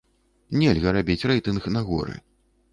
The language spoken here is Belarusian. Нельга рабіць рэйтынг на горы.